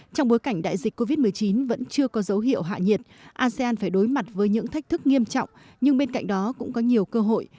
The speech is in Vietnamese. trong bối cảnh đại dịch covid một mươi chín vẫn chưa có dấu hiệu hạ nhiệt asean phải đối mặt với những thách thức nghiêm trọng nhưng bên cạnh đó cũng có nhiều cơ hội